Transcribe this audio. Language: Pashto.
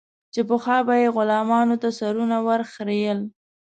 چې پخوا به یې غلامانو ته سرونه ور خرئېل.